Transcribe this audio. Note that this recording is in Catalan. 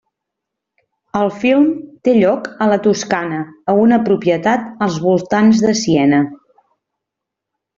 El film té lloc a la Toscana a una propietat als voltants de Siena.